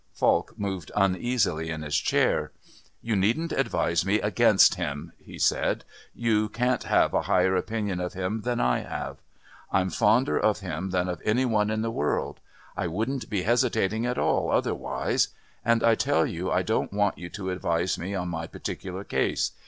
Falk moved uneasily in his chair: "You needn't advise me against him," he said; "you can't have a higher opinion of him than I have. I'm fonder of him than of any one in the world; I wouldn't be hesitating at all otherwise. And I tell you I don't want you to advise me on my particular case.